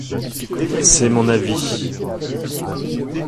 C’est mon avis.